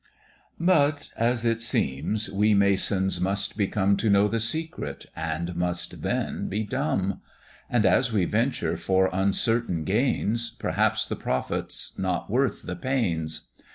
But, as it seems, we Masons must become To know the Secret, and must then be dumb; And as we venture for uncertain gains, Perhaps the profit is not worth the pains.